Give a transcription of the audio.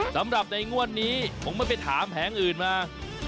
สำหรับในงวดนี้ผมไม่ไปถามแผงอื่นมา